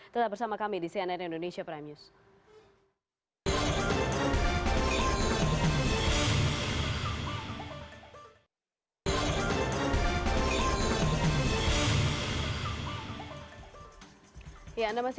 tetap bersama kami di cnn indonesia prime news